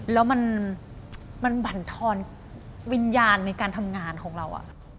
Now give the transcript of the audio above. แล้วมันบรรทอนวิญญาณในการทำงานของเรา